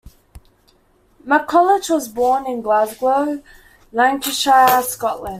McCulloch was born in Glasgow, Lanarkshire, Scotland.